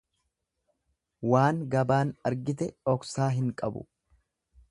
Waan gabaan argite dhoksaa hin qabu.